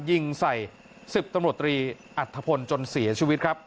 ยิงใส่๑๐ตำรวจตรีอัธพลจนเสียชีวิตครับ